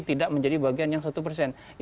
tidak menjadi bagian yang satu persen